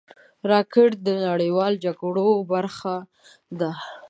راکټ د نړیوالو جګړو برخه ده